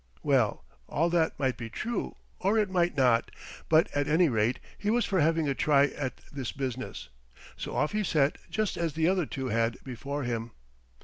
Well, all that might be true or it might not, but at any rate he was for having a try at this business, so off he set, just as the other two had before him.